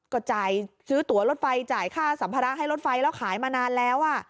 ก็จ่ายซื้อตัวรถไฟจ่ายค่าสัมภาระให้รถไฟแล้วขายมานานแล้ว